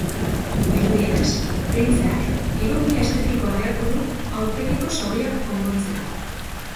Dirudienez, printzeak kirurgia estetikoa beharko du aurpegiko zauriak konpontzenko.